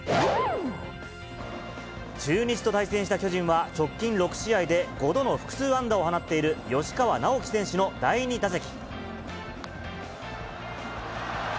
中日と対戦した巨人は、直近６試合で５度の複数安打を放っている吉川尚輝選手の第２打席。